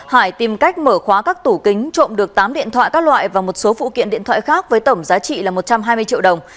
hải tìm cách mở khóa các tủ kính trộm được tám điện thoại các loại và một số phụ kiện điện thoại khác với tổng giá trị là một trăm hai mươi triệu đồng